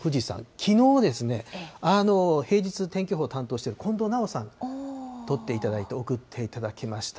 きのう、平日、天気予報担当している近藤奈央さんに撮っていただいて送っていただきました。